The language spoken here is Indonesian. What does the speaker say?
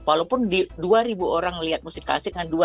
walaupun dua orang melihat musik klasik